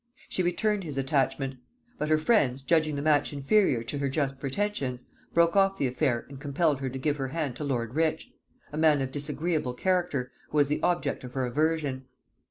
She returned his attachment; but her friends, judging the match inferior to her just pretensions, broke off the affair and compelled her to give her hand to lord Rich; a man of disagreeable character, who was the object of her aversion.